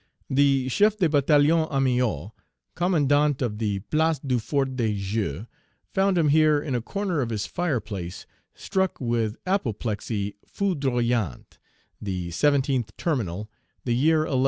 "The Chef de Bataillon Amiot, commandant of the Place du Fort de Joux, found him here in a corner of his fireplace struck with apoplexie foudroyante, the 17th Terminal, the year 11.